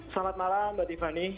selamat malam mbak tiffany